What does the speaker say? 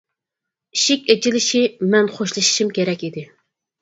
ئىشىك ئېچىلىشى، مەن خوشلىشىشىم كېرەك ئىدى.